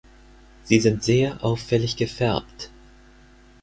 Sie sind sehr auffällig gefärbt.